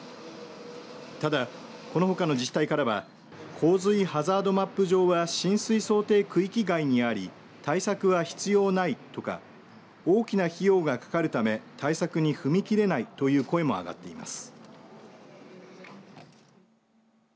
ただ、このほかの自治体からは洪水ハザードマップ上は浸水想定区域外にあり対策は必要ないとか大きな費用がかかるため対策に踏み切れないという声も上がっています。